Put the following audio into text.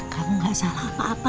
kamu gak salah apa apa